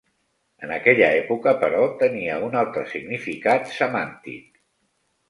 En aquella època, però, tenia un altre significat semàntic.